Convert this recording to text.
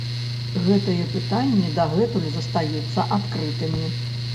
Гэтыя пытанні дагэтуль застаюцца адкрытымі.